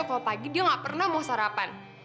kalau pagi dia nggak pernah mau sarapan